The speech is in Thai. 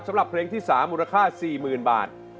สำหรับเพลงที่๓มูลค่า๔๐๐๐บาท